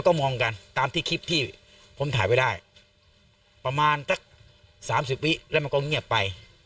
ก็จะมีความสบายใจเกินไปมากขึ้นกันนะฮะ